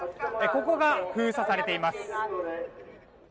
ここが封鎖されています。